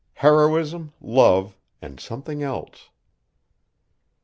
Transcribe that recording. HEROISM, LOVE AND SOMETHING ELSE.